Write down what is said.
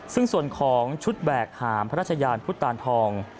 ซึ่งส่วนของชุดแบกหามพระราชยานพุทธตานทอง